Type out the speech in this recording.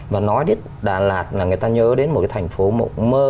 và nói đến đà lạt là người ta nhớ đến một cái thành phố mộng mơ